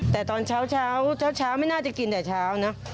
แต่ตอนเช้าเช้าไม่น่าจะกินแต่เช้าเนอะ